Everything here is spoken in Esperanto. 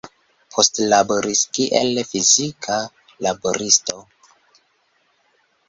Poste laboris kiel fizika laboristo.